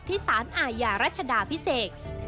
ที่ศาลอ่ายอย่ารัฐภิเษก